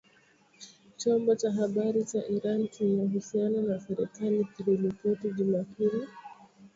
Chombo cha habari cha Iran chenye uhusiano na serikali kiliripoti Jumapili, siku moja baada ya Saudi kutekeleza kuwanyonga watu wengi katika historia yake ya sasa.